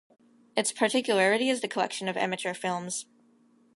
Its particularity is the collection of amateur films.